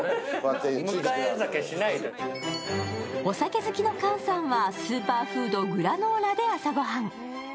お酒好きの菅さんはスーパーフード、グラノーラで朝御飯。